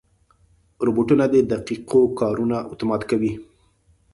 روبوټونه د دقیقو کارونو اتومات کوي.